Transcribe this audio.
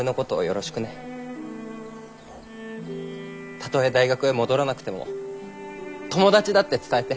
たとえ大学へ戻らなくても友達だって伝えて。